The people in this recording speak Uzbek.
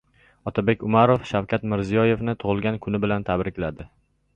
Otabek Umarov Shavkat Mirziyoyevni tug‘ilgan kuni bilan tabrikladi